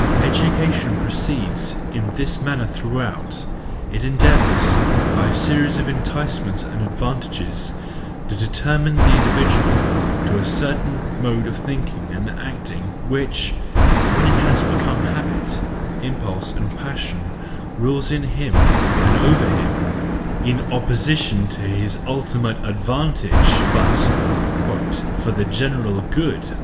Educa¬ tion proceeds in this manner throughout: it endeavours, by a series of enticements and advan¬ tages, to determine the individual to a certain mode of thinking and acting, which, when it has become habit, impulse and passion, rules in him and over him, in opposition to his ultimate advantage , but " for the general good."